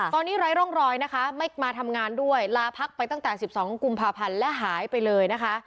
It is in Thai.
ตอนนี้ไร้ร่องรอยนะคะไม่มาทำงานด้วยลาพักไปตั้งแต่๑๒กุมภาพันธ์และหายไปเลยนะคะ